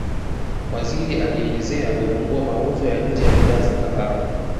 Waziri alieleza kupungua mauzo ya nje ya bidhaa za kahawa